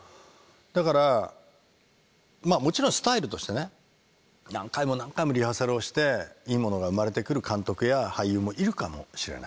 だからもちろんスタイルとしてね何回も何回もリハーサルをしていいものが生まれてくる監督や俳優もいるかもしれない。